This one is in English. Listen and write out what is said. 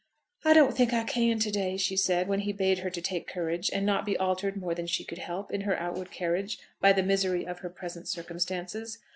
"I don't think I can to day," she said, when he bade her to take courage, and not be altered more than she could help, in her outward carriage, by the misery of her present circumstances.